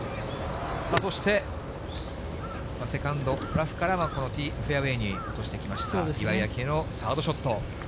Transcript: そして、セカンド、ラフからのこのフェアウエーに落としてきました、岩井明愛のサードショット。